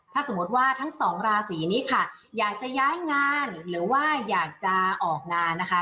ถ้าสมมติว่าทั้งสองราศีนี้ค่ะอยากจะย้ายงานหรือว่าอยากจะออกงานนะคะ